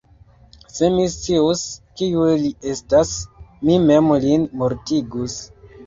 Se mi scius, kiu li estas, mi mem lin mortigus!